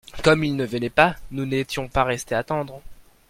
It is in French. Comme il ne venait pas, nous n'étions pas restés attendre.